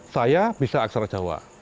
saya bisa aksara jawa